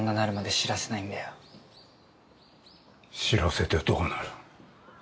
知らせてどうなる？